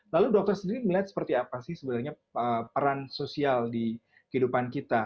lalu dokter sendiri melihat seperti apa sih sebenarnya peran sosial di kehidupan kita